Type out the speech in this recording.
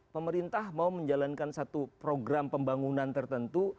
pemerintah mau menjalankan satu program pembangunan tertentu